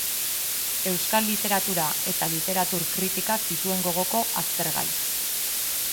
Euskal literatura eta literatur kritika zituen gogoko aztergai.